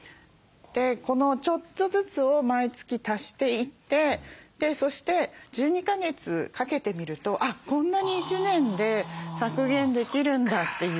このちょっとずつを毎月足していってそして１２か月かけてみるとこんなに１年で削減できるんだっていう。